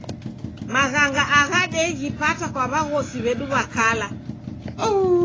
Maghanga agha deghipata kwa w'aghosi w'edu w'a kala.